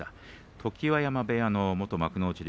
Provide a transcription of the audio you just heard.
常盤山部屋の元幕内力